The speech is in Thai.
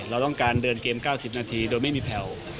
เราต้องการเดินเกม๙๐นาทีโดยไม่มีแผ่ว